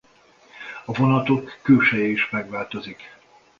A vonatok külseje is megváltozik.